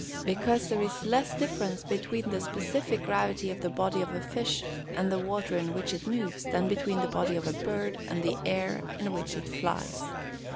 _ Because there is less difference between the specific gravity of the body of a fish, and the water in which it moves, than between the body of a bird, and the air on which it flies.